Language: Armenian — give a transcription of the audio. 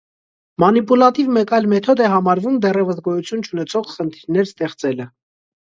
Մանիպուլատիվ մեկ այլ մեթոդ է համարվում դեռևս գոյություն չունեցող խնդիրներ ստեղծելը։